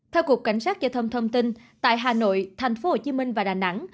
theo cục cảnh sát giao thông thông tin tại hà nội thành phố hồ chí minh và đà nẵng